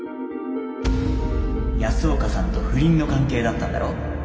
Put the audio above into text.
安岡さんと不倫の関係だったんだろう？